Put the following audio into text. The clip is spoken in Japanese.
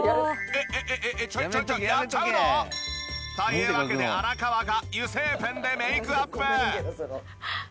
えっえっえっえっちょっちょっやっちゃうの？というわけで荒川が油性ペンでメイクアップ。